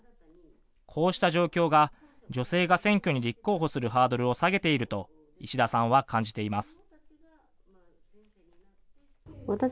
こうした状況が女性が選挙に立候補するハードルを下げていると石田さんは感じています。